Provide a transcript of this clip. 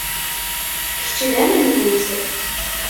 Kečč, d amenḥus.